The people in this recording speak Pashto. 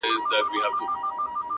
• څو مکتبونه لا مدرسې وي ,